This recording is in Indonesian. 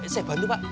saya bantu pak